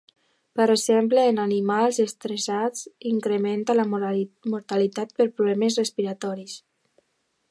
Per exemple, en animals estressats s'incrementa la mortalitat per problemes respiratoris.